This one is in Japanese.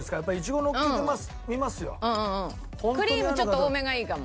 クリームちょっと多めがいいかも。